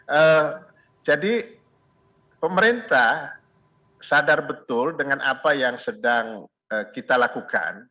eee jadi pemerintah sadar betul dengan apa yang sedang kita lakukan